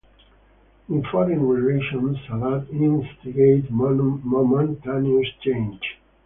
In foreign relations Sadat instigated momentous change.